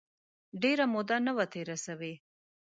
ډېره موده نه وه تېره سوې.